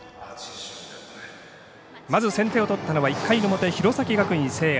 まず先手を取ったのは１回の表弘前学院聖愛。